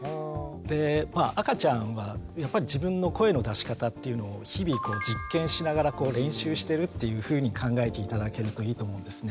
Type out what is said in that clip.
でまあ赤ちゃんはやっぱり自分の声の出し方っていうのを日々実験しながら練習してるっていうふうに考えて頂けるといいと思うんですね。